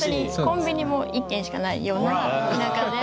コンビニも１軒しかないような田舎で。